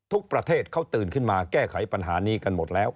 ประเทศเขาตื่นขึ้นมาแก้ไขปัญหานี้กันหมดแล้ว